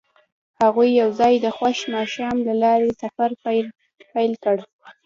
هغوی یوځای د خوښ ماښام له لارې سفر پیل کړ.